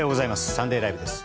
「サンデーＬＩＶＥ！！」です。